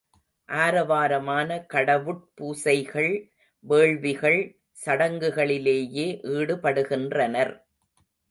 ஆரவாரமான கடவுட் பூசைகள், வேள்விகள், சடங்குகளிலேயே ஈடுபடுகின்றனர்.